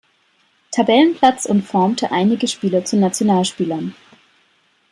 Tabellenplatz und formte einige Spieler zu Nationalspielern.